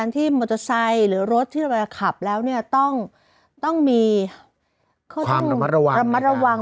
ที่มอเตอร์ไซค์หรือรถที่เราจะขับแล้วเนี่ยต้องมีเขาต้องระมัดระวัง